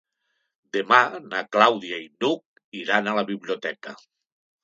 Demà na Clàudia i n'Hug iran a la biblioteca.